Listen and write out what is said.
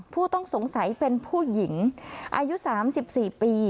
ผู้ต้องสงสัยเป็นผู้หญิงอายุ๓๔ปี